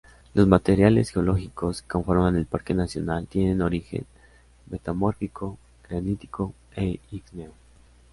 Los materiales geológicos que conforman el parque nacional tienen origen metamórfico, granítico e ígneo.